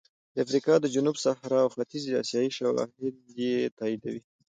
د افریقا جنوب صحرا او ختیځې اسیا شواهد یې تاییدوي